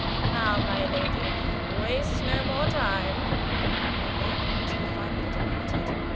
Now, my lady, waste no more time." With that he finally departed.